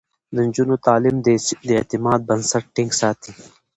د نجونو تعليم د اعتماد بنسټ ټينګ ساتي.